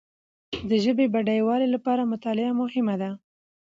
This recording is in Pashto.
د ژبي بډایوالي لپاره مطالعه مهمه ده.